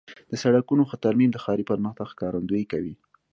د سړکونو ښه ترمیم د ښاري پرمختګ ښکارندویي کوي.